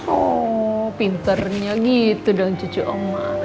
oh pinternya gitu dong cucu omba